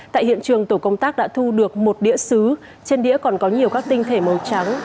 tại hiện trường tổ công tác đã thu được một đĩa xứ trên đĩa còn có nhiều các tinh thể màu trắng